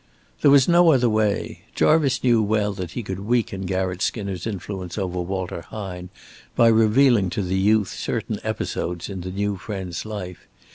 There was no other way. Jarvice knew well that he could weaken Garratt Skinner's influence over Walter Hine by revealing to the youth certain episodes in the new friend's life.